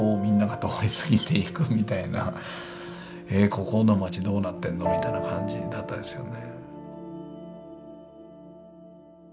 えっここの町どうなってんのみたいな感じだったですよね。